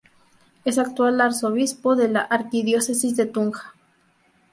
Es actual arzobispo de la Arquidiócesis de Tunja.